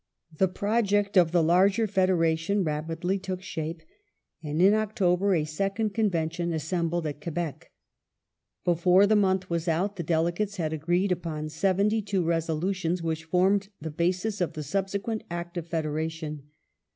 The project of the larger federation rapidly took shape, and in October a second Convention assembled at Quebec. Before the month was out the Delegates had agreed upon seventy two reso lutions, which formed the basis of the subsequent Act of Federation.